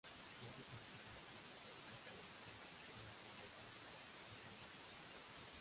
Fueron descubiertos y sus cabecillas fueron condenados a presidio.